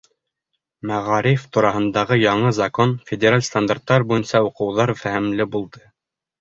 Мәғариф тураһындағы яңы Закон, федераль стандарттар буйынса уҡыуҙар фәһемле булды.